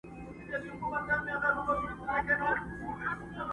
او نوموړی ډېر مېلمه پال سړی وو